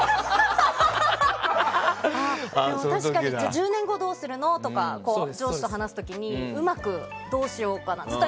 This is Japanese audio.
確かに１０年後どうするの？とか上司と話す時にうまく、どうしようかなと。